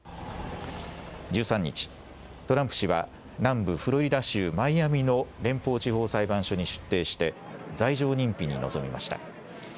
１３日、トランプ氏は、南部フロリダ州マイアミの連邦地方裁判所に出廷して、罪状認否に臨みました。